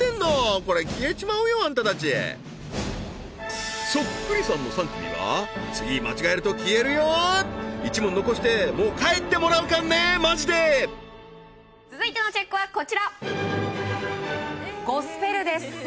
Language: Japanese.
これ消えちまうよあんたたちそっくりさんの３組は次間違えると消えるよ１問残してもう帰ってもらうかんねマジで続いてのチェックはこちらゴスペルです